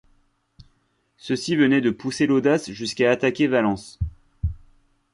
Ceux-ci venaient de pousser l'audace jusqu'à attaquer Valence.